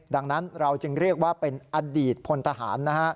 ดังนั้นเราจึงเรียกว่าเป็นอดีตพลทหารนะฮะ